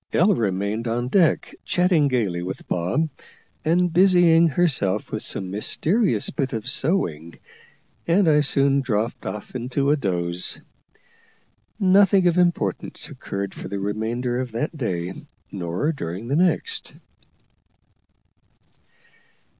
Ella remained on deck chatting gaily with Bob, and busying herself with some mysterious bit of sewing, and I soon dropped off into a doze. Nothing of importance occurred for the remainder of that day, nor during the next.